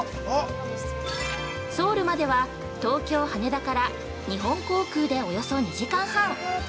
ソウルまでは、東京羽田から日本航空でおよそ２時間半。